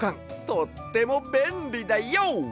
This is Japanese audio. とってもべんりだＹＯ！